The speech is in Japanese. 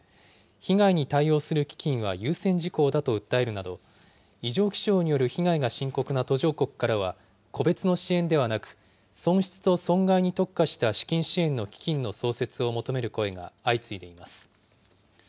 被害に対応する基金は優先事項だと訴えるなど、異常気象による被害が深刻な途上国からは、個別の支援ではなく、損失と損害に特化した資金支援の基金の創設を求める声が相次いでいます。